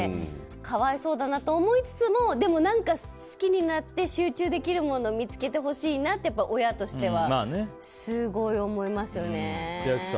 可哀想だなと思いつつも好きになって集中できるものを見つけてほしいなって親としてはすごい思いますよね。